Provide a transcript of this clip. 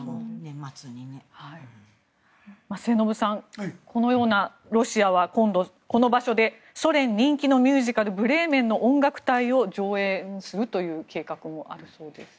末延さん、このようなロシアは今度、この場所でソ連人気のミュージカル「ブレーメンの音楽隊」を上演するという計画もあるそうです。